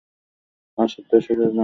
আশির দশকের গান বাজা।